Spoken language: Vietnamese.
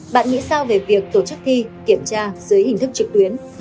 bạn nghĩ sao về việc tổ chức thi kiểm tra dưới hình thức trực tuyến